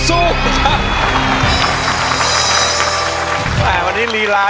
สู้ครับ